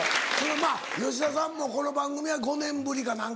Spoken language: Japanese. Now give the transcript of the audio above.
吉田さんもこの番組は５年ぶりか何か。